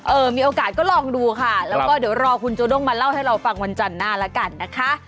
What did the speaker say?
มีโอกาสก็ลองดูค่ะแล้วก็เดี๋ยวรอคุณโจด้งมาเล่าให้เราฟังวันจันทร์หน้าแล้วกันนะคะ